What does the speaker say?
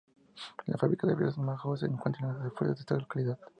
La fábrica de cervezas Mahou se encuentra en las afueras de esta localidad.